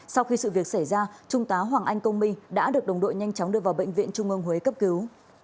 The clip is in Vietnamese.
sau khi sự việc xảy ra trung tá hoàng anh công minh đã được đồng đội nhanh chóng đưa vào bệnh viện trung ương huế cấp cứu